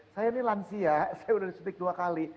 saya ini lansia saya sudah disutik dua kali